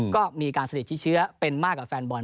ก็มีการสะดิดชิดเชื้อเป็นมากกับแฟนบอล